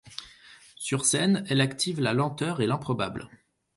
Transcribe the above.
Sur scène, elle active la lenteur et l’improbable.